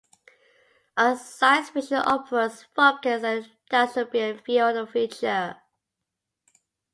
Other science-fiction operas focus on a dystopian view of the future.